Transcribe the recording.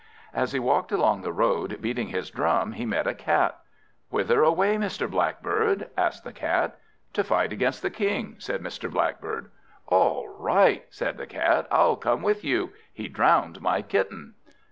As he walked along the road, beating his drum, he met a Cat. "Whither away, Mr. Blackbird?" said the Cat. "To fight against the King," said Mr. Blackbird. "All right," said the Cat, "I'll come with you: he drowned my kitten."